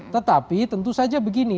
tetapi tentu saja begini